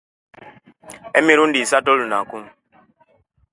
Emirundi misatu olunaku